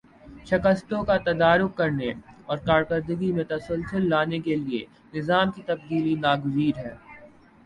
شکستوں کا تدارک کرنے اور کارکردگی میں تسلسل لانے کے لیے نظام کی تبدیلی ناگزیر ہے